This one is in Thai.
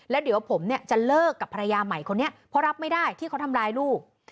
แล้วเดี๋ยวผมเนี่ยจะเลิกกับภรรยาใหม่คนนี้เพราะรับไม่ได้ที่เขาทำร้ายลูก